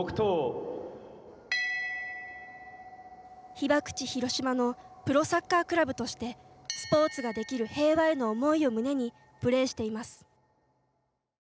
被爆地広島のプロサッカークラブとしてスポーツができる平和への思いを胸にプレーしています